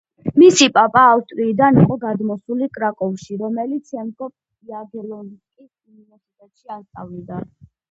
მისი პაპა ავსტრიიდან იყო გადმოსული კრაკოვში, რომელიც შემდგომ იაგელონსკის უნივერსიტეტში ასწავლიდა.